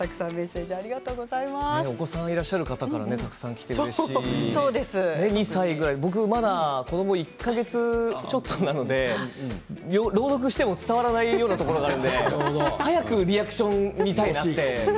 お子さんいらっしゃる方からたくさんきているし、２歳ぐらい僕まだ子ども１か月ぐらいちょっとなので朗読しても伝わらないようなところがあるので早くリアクション見たいなと楽しみ。